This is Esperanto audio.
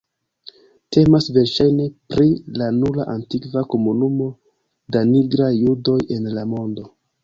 Temas verŝajne pri la nura antikva komunumo da nigraj judoj en la mondo.